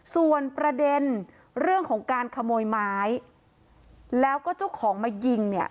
ส่วนประเด็นเรื่องของการขโมยไม้แล้วก็เจ้าของมายิงเนี่ย